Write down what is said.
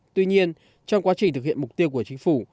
tuy nhiên trong quá trình thực hiện mục tiêu của chính phủ